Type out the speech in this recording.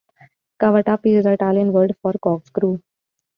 "Cavatappi" is the Italian word for corkscrew.